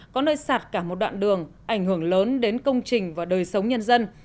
có nơi sạt cả một đoạn đường ảnh hưởng lớn đến công trình và đời sống nhân dân